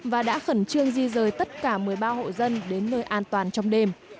và đã khẩn trương di rời tất cả một mươi ba hộ dân đến nơi an toàn trong đêm